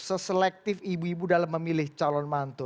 se selektif ibu ibu dalam memilih calon mantu